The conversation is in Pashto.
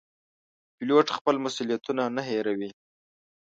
پیلوټ خپل مسوولیتونه نه هېروي.